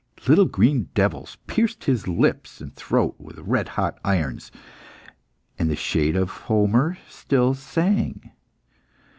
Little green devils pierced his lips and throat with red hot irons. And the shade of Homer still sang.